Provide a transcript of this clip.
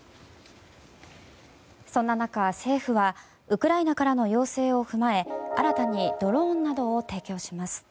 そんな中、政府はウクライナからの要請を踏まえ新たにドローンなどを提供します。